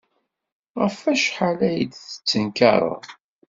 Ɣef wacḥal ay d-tettenkared?